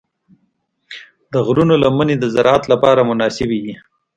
د غرونو لمنې د زراعت لپاره مناسبې دي.